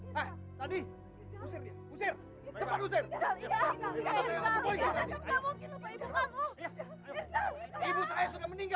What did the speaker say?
eh tadi usir dia usir cepat usir